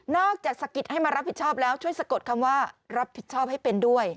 อกจากสะกิดให้มารับผิดชอบแล้วช่วยสะกดคำว่ารับผิดชอบให้เป็นด้วย